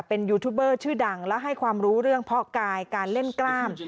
เป็นยูทูบเบอร์ชื่อดังและให้ความรู้เรื่องเพาะกายการเล่นกล้าม